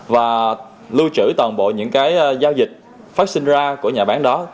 và lưu trữ toàn bộ những cái giao dịch phát sinh ra của nhà bán đó